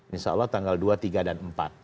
insya allah tanggal dua puluh tiga dan empat